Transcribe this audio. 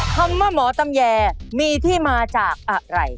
คำว่าหมอตำแยมีที่มาจากอะไร